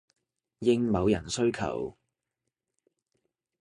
應某人需求